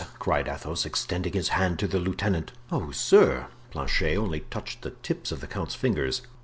cried Athos, extending his hand to the lieutenant. "Oh, sir!" Planchet only touched the tips of the count's fingers.